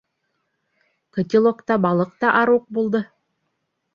Котелокта балыҡ та арыу уҡ булды.